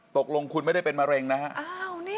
ตกลงคุณไม่ได้เป็นมะเร็งนะฮะ